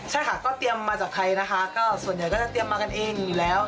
ใช่ค่ะก็เตรียมมาจากไทยนะคะก็ส่วนใหญ่ก็จะเตรียมมากันเองอยู่แล้ว